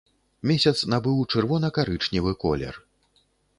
Месяц набыў чырвона-карычневы колер.